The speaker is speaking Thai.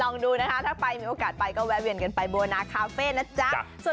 ลองดูนะคะถ้าใครมีโอกาสไปก็แวะเวียนกันไปบัวนาคาเฟ่นะจ๊ะ